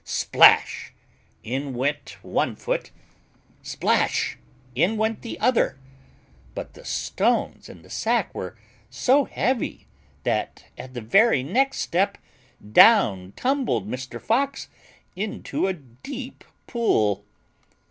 Splash! In went one foot. Splash! In went the other, but the stones in the sack were so heavy that at the very next step down tumbled Mr. Fox into a deep pool.